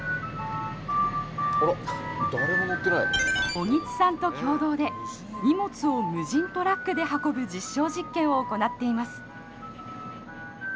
小木津さんと共同で荷物を無人トラックで運ぶ実証実験を行っています。